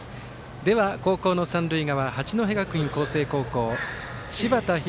では、後攻の三塁側八戸学院光星高校柴田拡